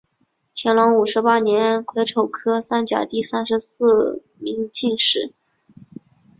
乾隆五十八年癸丑科三甲第三十四名进士。